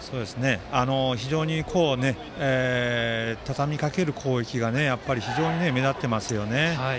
非常にたたみかける攻撃が目立っていますよね。